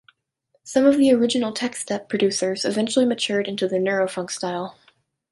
Some of the original techstep producers eventually matured into the neurofunk style.